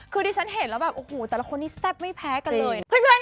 คือผมเห็นแล้วแต่ละครัวแซ่บไม่แพ้กันเลย